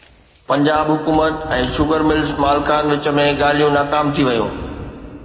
پنجاب حڪومت ۽ sugar mills مالڪن وچ ۾ ڳالهيون ناڪام ٿي ويون